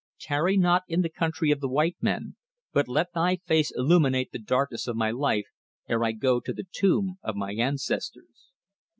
Tarry not in the country of the white men, but let thy face illuminate the darkness of my life ere I go to the tomb of my ancestors.